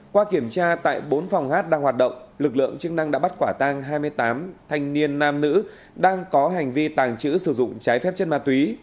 qua kiểm tra tại bốn phòng hát đang hoạt động lực lượng chức năng đã bắt quả tang hai mươi tám thanh niên nam nữ đang có hành vi tàng trữ sử dụng trái phép chất ma túy